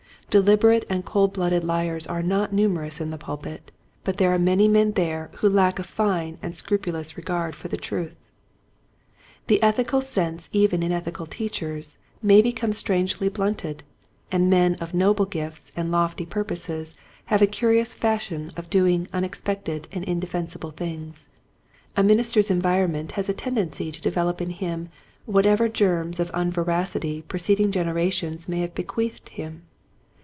Deliberate and cold blooded liars are not numerous in the pulpit, but there are many men there who lack a fine and scrupulous regard for truth. The ethical sense even in ethical teachers may become strangely blunted, and men of noble gifts and lofty purposes have a curious fashion of doing unexpected and indefensible things. A minister's environment has a tendency to develop in him whatever germs of un veracity preceding generations may have bequeathed him.